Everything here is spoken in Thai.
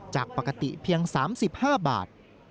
จากปกติเพียง๓๕บาท